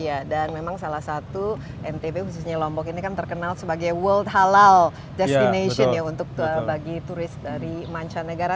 iya dan memang salah satu ntb khususnya lombok ini kan terkenal sebagai world halal destination ya untuk bagi turis dari mancanegara